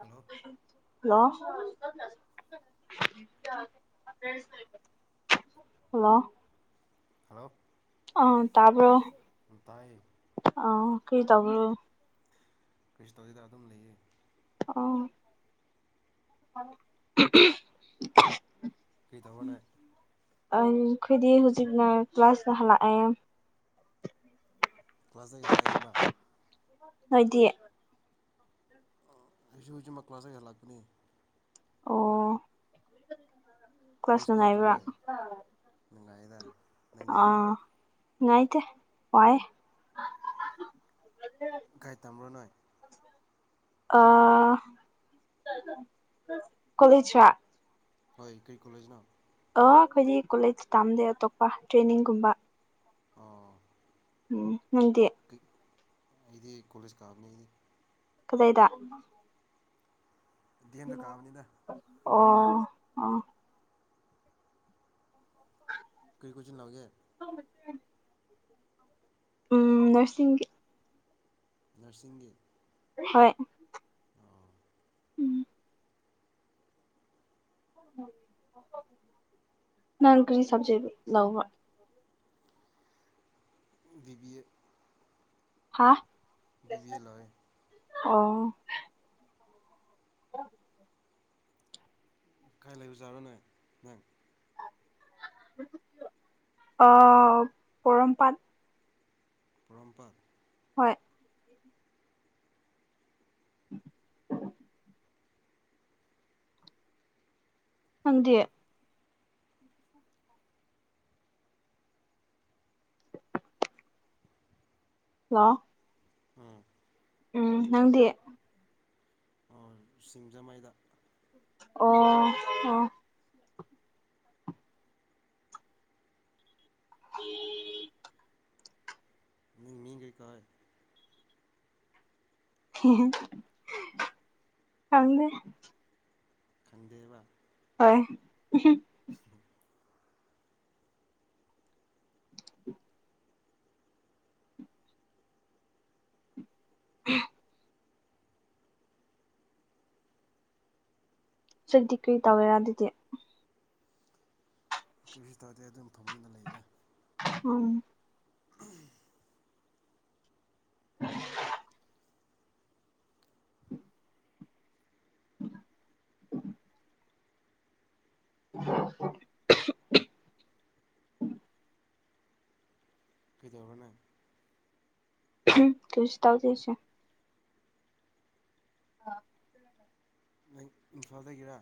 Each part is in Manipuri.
ꯍꯜꯂꯣ ꯍꯜꯂꯣ ꯍꯜꯂꯣ ꯍꯜꯂꯣ ꯑ ꯇꯥꯕ꯭ꯔꯣ ꯇꯥꯏꯌꯦ ꯑ ꯀꯩꯇꯧꯕ꯭ꯔꯣ꯫ ꯀꯩꯁꯨ ꯇꯧꯗꯦꯗ ꯑꯗꯨꯝ ꯂꯩꯌꯦ ꯑꯣ [unintelligible] ꯀꯩ ꯊꯕꯛ ꯂꯩ ꯑꯩꯈꯣꯏꯗꯤ ꯍꯧꯖꯤꯛꯅ ꯀ꯭ꯂꯥꯁꯅ ꯍꯥꯜꯂꯛꯑꯦ ꯀ꯭ꯂꯥꯁ ꯇꯩ ꯍꯜꯂꯛ ꯑꯦ ꯕ ꯍꯣꯏꯗꯤ ꯑꯩꯁꯨ ꯍꯧꯖꯤꯛꯃꯛꯥꯁ ꯍꯜꯂꯛꯄꯅꯤ ꯑꯣ ꯀꯩ ꯀ꯭ꯂꯥꯁ ꯁ꯭ꯀꯨꯜꯗ ꯅꯨꯡꯉꯥꯏꯕ꯭ꯔꯥ ꯇꯝꯒꯦ ꯅꯨꯡꯉꯥꯏꯗ ꯑꯥ ꯉꯥꯏꯇꯦ ꯋꯥꯏꯌꯦ [unintelligible] ꯥꯀꯥꯏ ꯇꯝꯕ꯭ꯔ ꯅꯣꯏ ꯑ [unintelligible] ꯀꯣꯂꯦꯖꯔ ꯍꯣꯏ ꯀꯩ ꯀꯣꯂꯦꯖꯅꯣ ꯑꯣ ꯈꯣꯏꯗꯤ ꯀꯣꯂꯦꯖ ꯇꯥꯝꯗꯦ ꯑꯇꯣꯞꯄ ꯇ꯭ꯔꯦꯅꯤꯡꯒꯨꯝꯕ ꯑꯣ ꯎꯝ ꯅꯪꯗꯤ ꯀꯩ ꯑꯩꯗꯤ ꯀꯣꯂꯦꯖ ꯀꯥꯕꯅꯤ ꯀꯗꯥꯩꯗ ꯗꯦꯝ ꯗ ꯀꯕꯅꯤꯗ ꯑꯣ ꯑꯣ [unintelligible] ꯀꯔꯤ ꯀꯣꯏꯆꯟ ꯂꯧꯒꯦ [unintelligible] ꯎꯝ ꯅ꯭ꯔꯁꯤꯡꯒꯤ ꯅꯔꯁꯤꯡꯒꯤ ꯍꯣꯏ ꯎꯝ ꯅꯪ ꯀꯔꯤ ꯁꯕꯖꯦꯛ ꯂꯧꯕ ꯕꯤꯕꯤ ꯑꯦ ꯍꯥ ꯕꯤꯕꯤ ꯑꯦꯜ ꯂꯣꯏꯔꯦ ꯑꯣ ꯀꯥꯏ ꯂꯩꯕꯖꯥꯠꯅꯣꯅꯦ ꯅꯪ ꯑ ꯄꯔꯝꯄꯠ ꯄꯣꯔꯣꯝꯄꯥꯠ ꯍꯣꯏ [unintelligible] ꯅꯪꯗꯤ ꯂꯥꯛꯑꫭ ꯎꯝ ꯎꯝ ꯅꯪꯗꯤ ꯑꯣ ꯁꯤꯡꯖꯃꯩꯗ ꯑꯣ ꯑꯣ [unintelligible] ꯅꯪ ‌ꯃꯤꯡ ꯀꯩ‌‌ ꯀꯧꯋꯤ ꯀꯪꯗꯦ ꯈꯪꯗꯦꯕ ꯍꯣꯏ [unintelligible] [unintelligible] ꯁꯗꯤ [unintelligible] ꯀꯔꯤ ꯇꯧꯋꯦꯔꯥ ꯑꯗꯨꯗꯤ ꯀꯔꯤ ꯁꯨ ꯇꯥꯎꯗꯤ ꯑꯗꯨꯝ ꯐꯃꯨꯡꯗꯥ ꯂꯩꯗ ꯎꯝ ꯎꯝ [inaudible] [inaudible] ꯍ [unintelligible] [unintelligible] ꯀꯩꯗꯧꯔ ꯅꯪ ꯀꯩꯁꯨ ꯇꯧꯗꯦꯁꯦ [unintelligible] ꯅꯪ ꯏꯝꯐꯥꯜꯗꯒꯤꯔ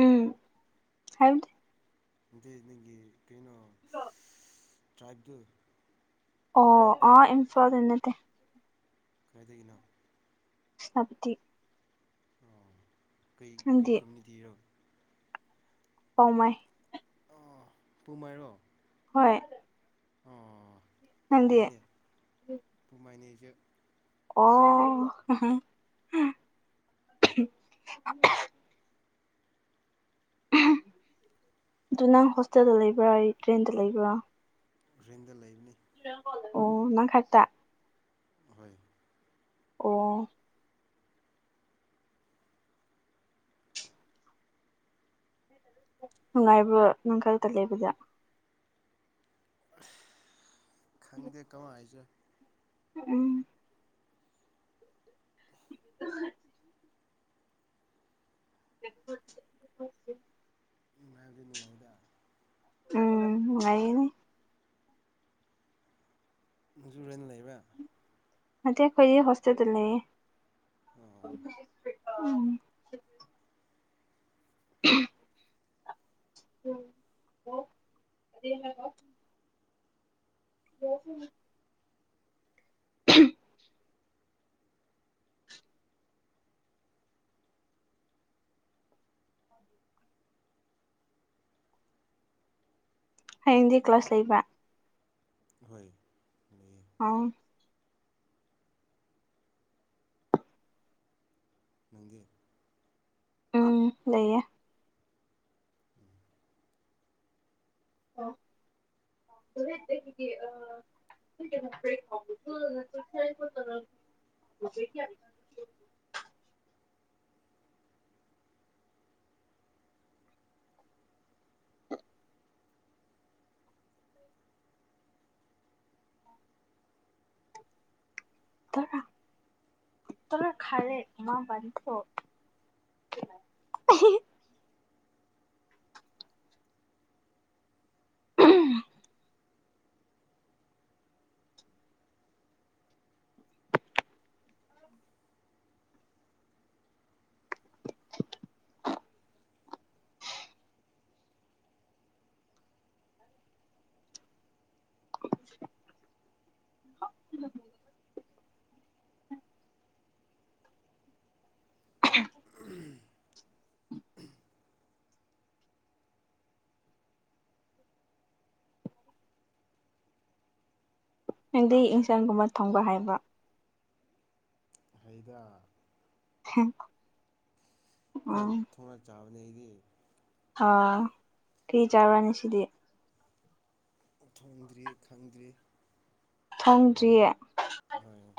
ꯎꯝ ꯍꯥꯏꯕꯗꯤ ꯑꯗꯤ ꯅꯪꯒꯤ ꯀꯩꯅꯣ ꯇ꯭ꯔꯥꯏꯕꯇꯨ ꯑꯣ ꯑꯥ ꯏꯝꯐꯥꯜꯗ ꯅꯠꯇꯦ ꯀꯥꯏꯗꯒꯤꯅꯣ ꯁꯥꯞꯇꯤ ꯑꯣ ꯀꯩ ꯀꯩ ꯅꯪꯗꯤ ꯀꯝꯃꯨꯅꯤꯇꯤꯔꯣ ꯀꯧꯃꯥꯏ ꯑ ꯄꯨꯃꯩꯏꯔꯣ ꯍꯣꯏ ꯑꯣ ꯅꯪꯗꯤ ꯌꯥꯏꯅꯦ ꯀꯃꯥꯏꯅꯦꯁꯨ ꯑꯣ ꯑꯗꯨ ꯅꯪ ꯍꯣꯁꯇꯦꯜꯗ ꯂꯩꯕ꯭ꯔꯥ ꯔꯦꯟꯗ ꯂꯩꯕ꯭ꯔꯥ ꯒꯔꯦꯟꯗ ꯂꯩꯕꯅꯤ ꯑꯣ ꯅꯪꯈꯥꯏꯗ ꯍꯣꯏ ꯑꯣ ꯅꯨꯡꯉꯥꯏꯕꫭ ꯅꯪ ꯈꯔꯛꯇ ꯂꯩꯕꯁꯦ ꯈꯪꯗꯦ ꯀꯃꯥꯏ ꯍꯥꯏꯁꯦ ꯎꯝ ꯅꯨꯡꯉꯥꯏꯕꯗꯤ ꯅꯨꯡꯉꯥꯏꯗ ꯎꯝ ꯅꯨꯡꯉꯥꯏꯑꯦ ꯅꯪꯖꯨ ꯔꯦꯟ ꯂꯩꯕ꯭ꯔꯥ ꯃꯗꯦ ꯈꯣꯏꯗꯤ ꯍꯣꯁꯇꯦ ꯇ ꯂꯩꯌꯦ ꯑꯣ UNINTELLIGIBLE [unintelligible] UNINTELLIGIBLE [inaudible] ꯍꯌꯦꯡꯗꯤ ꯀ꯭ꯂꯥꯁ ꯂꯩꯕ ꯍꯣꯏ ꯑꯗꯥꯒꯤ ꯍꯥꯎꯋꯤ ꯅꯪꯗꯤ ꯎꯝ ꯂꯩꯌꯦ [unintelligible] ꯑꫭ ꯍꫭꯔꯦꯟꯗꯒꯤꯗꯤ ꯑꯥ [unintelligible] ꯇꯔ ꯇꯔ ꯈꯥꯏꯔꯦ ꯏꯃꯥ ꯏꯄꯥ ꯗꯒꯤꯁꯨ [unintelligible] [unintelligible] UNINTELLIGIBLE ꯅꯪꯗꯤ ꯏꯟꯁꯥꯡ ꯒꯨꯝꯕ ꯊꯣꯡꯕ ꯍꯩꯕ꯭ꯔꯥ ꯍꯩꯗ ꯍꯝ ꯏꯊꯟ ꯊꯣꯡꯉ ꯆꯥꯕꯅꯦ ꯑꯩꯒꯤ ꯍꯥ ꯀꯔꯤ ꯆꯥꯕꯔ ꯉꯁꯤꯗꯤ ꯊꯣꯡꯗ꯭ꯔꯤ ꯈꯪꯗ꯭ꯔꯤ ꯊꯣꯡꯗ꯭ꯔꯤꯌꯦ ꯍꫭꯏ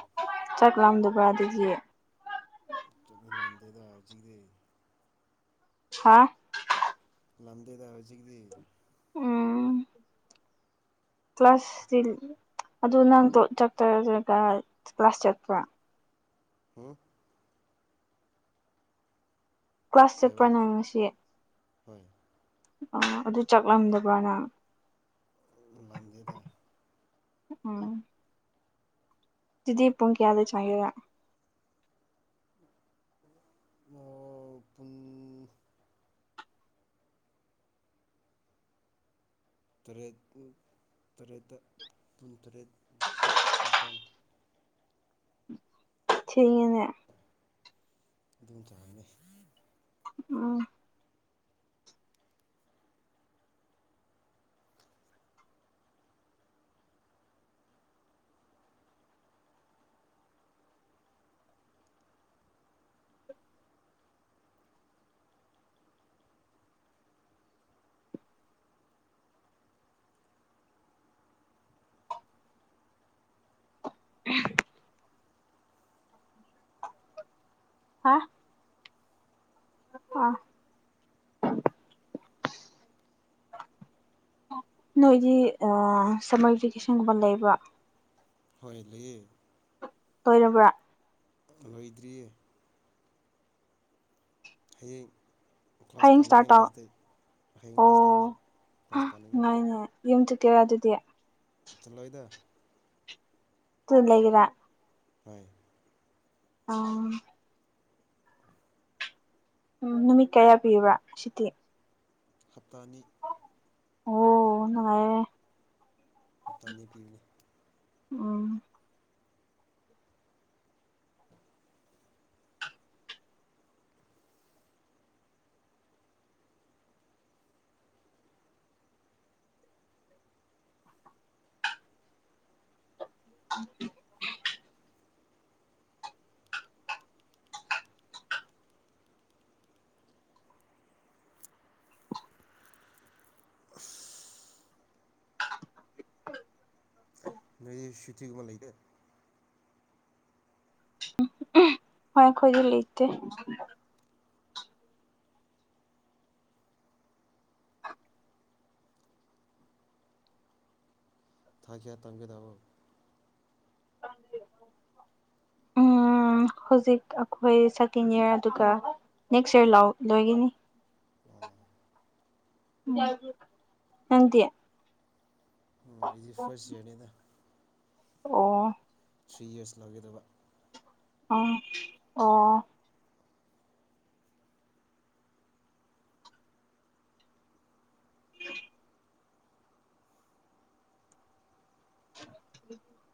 ꯆꯥꯛ ꯂꯥꯝꯗꯕ꯭ꯔꯥ ꯑꯗꯨꯗꯤ ꯆꯠꯃꯤ ꯂꯥꯟꯗꯦꯗ ꯍꯧꯖꯤꯛꯗꯤ ꯍꯥ ꯉꯝꯗꯦꯗ ꯍꯧꯖꯤꯛꯇꯤ ꯎꯝ ꯀ꯭ꯂꯥꯁꯁꯤ ꯑꯗꯨ ꯅꯪꯗꫭ ꯆꯥꯠ UNINTELLIGIBLE ꯀ꯭ꯂꯥꯁ ꯆꯠꯄ꯭ꯔ ꯎꯝ ꯀ꯭ꯂꯥꯁ ꯀꯩꯕ ꯆꯠꯄ꯭ꯔ ꯅꯪ ꯉꯁꯤ ꯍꯣꯏ ꯑꯥ ꯑꯗꯨ ꯆꯥꯛ ꯂꯝꯗꯕ꯭ꯔ ꯅꯪ ꯅꯪꯗꯤ ꯃꯥꯝꯗꯦꯗ ꯎꯝ ꯑꯗꯨꯗꯤ ꯄꯨꯡ ꯀꯌꯥꯗ ꯆꯪꯉꯒꯦꯔ ꯑꯣ ꯄꯨꯨꯡ ꯇꯔꯦꯠ ꯇꯔꯦꯠꯇ ꯄꯨꯟ ꯇꯔꯦꯠ ꯃꯥꯄꯜ ꯊꯦꯡꯉꯦꯅꯦ ꯏꯟꯗ‌ꯣꯝꯆꯥꯒꯤ ꯎꯝ ꯍꯥ ꯑꯥ [unintelligible] ꯅꯣꯏꯗꯤ ꯁꯝꯃꯔ ꯚꯤꯀꯦꯁꯟꯒꯨꯝꯕ ꯂꯩꯕ꯭ꯔꯥ ꯍꯣꯏ ꯂꯩꯌꯦ ꯇꯣꯏꯔꯕ꯭ꯔꯥ ꯂꯣꯏꯗ꯭ꯔꯤꯌꯦ ꯍꯌꯦꯡ ꯀ꯭ꯂꯥꯁ ꯍꯌꯦꯡ ꯀꯥꯅꯤꯡꯉꯦ ꯏꯁꯇꯥꯔꯠ ꯇꯧ ꯂꯥꯁꯗꯩ ꯍꯌꯦꯡ ꯂꯥꯁꯗꯩꯅꯤ ꯑꯣ ꯀ꯭ꯂꯥꯁ ꯀꯥꯅꯤꯡꯉꯦ ꯅꯨꯡꯉꯥꯏꯅꯦ ꯌꯨꯝ ꯆꯨꯞꯠꯀꯦꯔꯣ ꯑꯗꯨꯗꯤ ꯆꯂꯣꯏꯗ UNINTELLIGIBLE ꯂꯩꯒꯤꯔ ꯇꯣꯏ ꯑꯥ ꯎꯝ ꯅꯨꯃꯤꯠ ꯀꯌꯥ ꯄꯤꯕ꯭ꯔꯥ ꯁꯨꯇꯤ ꯍꯞꯇꯥꯅꯤ ꯑꯣ ꯍꯞꯇꯥꯅꯤ ꯄꯤꯕꯅꯤ ꯎꯝ [unintelligible] ꯅꯣꯏ ꯁꯤꯇꯤꯒꯨꯝꯕ ꯂꯩꯗꯦ ꯍꯣꯏ ꯈꯣꯖꯤ ꯂꯤꯇꯦ ꯊꯥ ꯀꯌꯥ ꯇꯝꯒꯗꯕ ꯎꯝ ꯍꯧꯖꯤꯛ ꯑꯩꯈꯣꯏ ꯁꯦꯀꯦꯟ ꯏꯌꯥꯔ ꯑꯗꯨꯒ ꯅꯦꯛꯁ ꯏꯌꯥꯔ ꯂꯣꯏꯒꯤꯅꯤ [unintelligible] ꯅꯪꯗꯤ ꯏꯗꯤ ꯐꯔꯁ ꯌꯥꯔꯅꯤꯗ ꯑꯣ ꯊ꯭ꯔꯤ ꯌꯔꯁ ꯂꯧꯒꯗꯕ ꯑꯥ ꯑꯣ [unintelligible] ꯎ [unintelligible]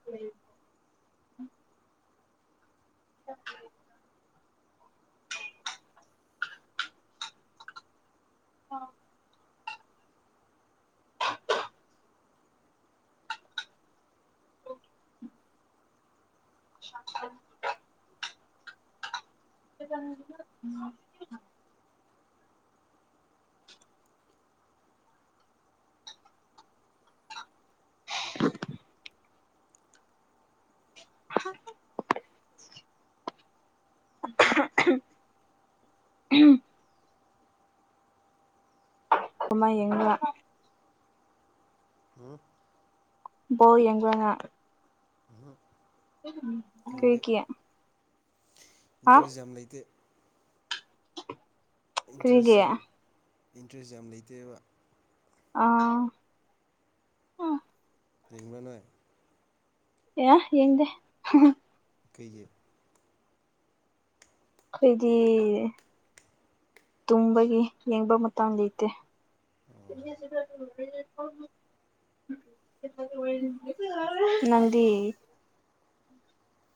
ꯎ [unintelligible] [unintelligible] ꯑ [unintelligible] [unintelligible] [inaudible] [inaudible] ꯍ [unintelligible] [unintelligible] ꯈꯨꯃ ꯌꯦꯡ ꯎꯝ ꯕꯣꯜ ꯌꯦꯡꯕ꯭ꯔ ꯉ ꯍꯝ [unintelligible] ꯀꯩꯒꯤ ꯏꯟꯇꯌꯁ ꯌꯥꯝ ꯂꯩꯇꯦ ꯏꯟꯇꯔꯦꯁ ꯀꯔꯤꯒꯤ ꯌꯥꯝ ꯏꯟꯇꯔꯦꯁ ꯌꯥꯝ ꯂꯩꯇꯦꯕ ꯑ ꯇꯦꯡꯕꯥꯅꯣꯏ ꯑꯌꯥ ꯌꯦꯡꯗꯦ ꯍꯨꯡ ꯍꯨꯡ ꯀꯩꯒꯤ ꯑꯩꯈꯣꯏꯗꯤ ꯇꯨꯝꯕꯒꯤ ꯌꯦꯡꯕ ꯃꯇꯝ ꯂꯩꯇꯦ ꯂꯧꯁꯤꯟꯕ ꯉꯝꯗꯕ ꯅꯪꯗꯤ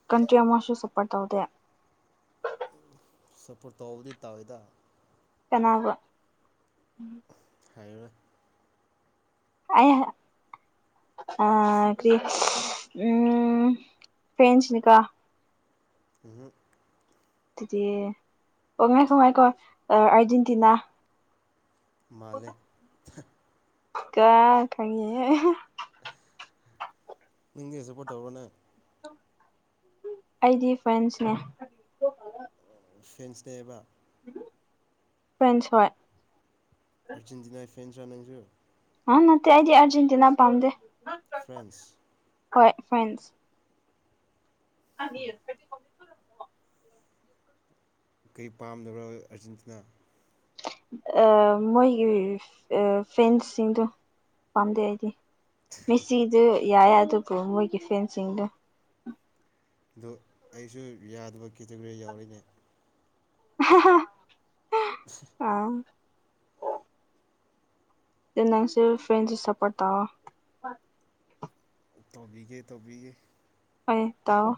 ꯀꯟꯇ꯭ꯔꯤ ꯑꯃꯁꯨ ꯁꯄꯣꯔꯠ ꯇꯧꯗꯦ [unintelligible] ꯁꯄꯣꯔꯠ ꯇꯧꯕꯗꯤ ꯇꯧꯋꯦꯗ ꯀꯅꯥꯕ꯭ꯔꯣ ꯍꯥꯏꯔꯣꯏ ꯑ [unintelligible] ꯑ ꯀꯔꯤ ꯎꯝ ꯐꯦꯟꯁꯅꯤꯀ ꯎꯪ ꯍꯨꯡ ꯑꯗꯨꯗꯤ ꯑꯣ ꯉꯥꯏꯈꯣ ꯉꯥꯏꯈꯣ ꯑ ꯑꯥꯔꯖꯦꯟꯇꯤꯅꯥ ꯃꯥꯜꯂꯦ ꯊꯍꯥ ꯀꯥ ꯈꯪꯉꯤꯍꯦ ꯅꯪꯗꯤ ꯁꯄꯣꯔꯠ ꯇꯧꯔꯣꯅꯦ ꯑꯩꯗꯤ ꯐ꯭ꯔꯦꯟꯁ ꯅꯦ ꯐ꯭ꯔꯦꯟꯁ ꯅꯦꯕ ꯐ꯭ꯔꯦꯟꯁ ꯍꯣꯏ ꯑꯔꯖꯦꯟꯇꯤꯅꯥꯏ ꯐꯦꯟꯁ ꯔꯥ ꯅꯪꯁꯨ ꯍꯥ ꯅꯠꯇꯦ ꯑꯩꯗꯤ ꯑꯔꯖꯦꯟꯇꯤꯅꯥ ꯄꯥꯝꯗꯦ ꯐ꯭ꯔꯦꯟꯁ ꯍꯣꯏ ꯐ꯭ꯔꯦꯟꯁ ꯂꯧꯁꯤꯟꯕ ꯉꯝꯗꯕ ꯀꯩꯒꯤ ꯄꯥꯝꯗꯕ꯭ꯔꯣ ꯑꯥꯔꯖꯦꯟꯇꯤꯅꯥ ꯑꯥ ꯃꯣꯏꯒꯤ ꯑꯥ ꯐꯦꯟꯁꯁꯤꯡꯗꯣ ꯄꯥꯝꯗꯦ ꯑꯩꯗꯤ ꯃꯦꯁꯤꯗꯨ ꯌꯥꯏꯌꯦ ꯑꯗꯨꯕꯨ ꯃꯣꯏꯒꯤ ꯐꯦꯟꯁꯁꯤꯡꯗꯨ ꯑꯗꯨ ꯑꯩꯁꯨ ꯌꯥꯗꯕ ꯀꯦꯇꯒꯣꯔꯤ ꯌꯥꯎꯔꯦꯅꯦ ꯑꯍꯥ ꯍꯥ ꯑꯗꯨ ꯅꯪꯁꯨ ꯐ꯭ꯔꯦꯟꯁꯇ ꯁꯄꯣꯔꯠ ꯇꯧꯋꯣ ꯇꯧꯕꯤꯒꯦ ꯇꯧꯕꯤꯒꯦ ꯍꯣꯏ ꯇꯧ